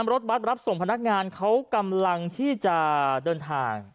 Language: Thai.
รถบัตรรับส่งพนักงานเขากำลังที่จะเดินทาง